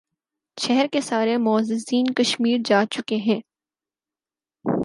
شہر کے سارے معززین کشمیر جا چکے ہیں